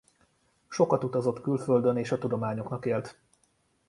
Sokat utazott külföldön és a tudományoknak élt.